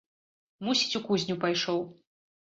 Мусіць, у кузню пайшоў.